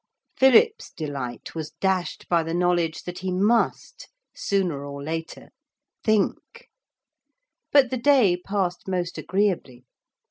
Philip's delight was dashed by the knowledge that he must, sooner or later, think. But the day passed most agreeably.